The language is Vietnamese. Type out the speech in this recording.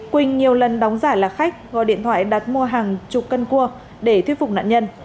quỳnh nhiều lần đóng giả là khách gọi điện thoại đặt mua hàng chục cân cua để thuyết phục nạn nhân